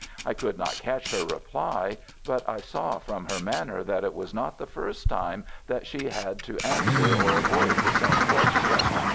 I could not catch her reply, but I saw from her manner that it was not the first time that she had had to answer or avoid the same question.